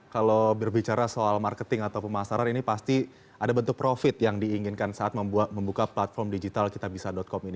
kalau berbicara soal marketing atau pemasaran ini pasti ada bentuk profit yang diinginkan saat membuka platform digital kitabisa com ini